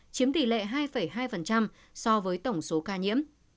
chiếm tỷ lệ hai hai so với tổng số ca nhiễm